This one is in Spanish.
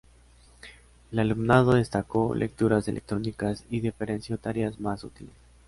El alumnado destacó lecturas electrónicas y diferenció tareas más útiles.